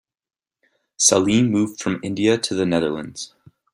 Salim moved from India to the Netherlands.